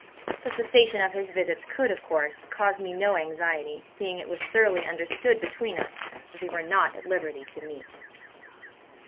The cessation of his visits could, of course, cause me no anxiety, seeing it was thoroughly understood between us that we were not at liberty to meet.